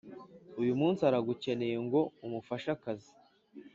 uyu munsi aragukeneye ngo umufashe akazi